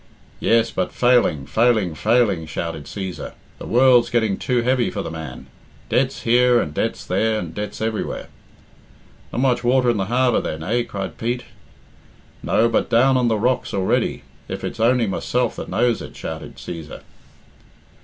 "Yes, but failing, failing, failing," shouted Cæsar. "The world's getting too heavy for the man. Debts here, and debts there, and debts everywhere." "Not much water in the harbour then, eh?" cried Pete. "No, but down on the rocks already, if it's only myself that knows it," shouted Cæsar.